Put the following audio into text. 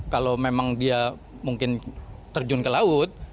kalau memang dia mungkin terjun ke laut